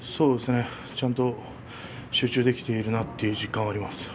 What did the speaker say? ちゃんと集中できているなという印象があります。